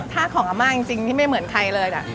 ถ้าของอาม่าจริงที่ไม่เหมือนใครเลย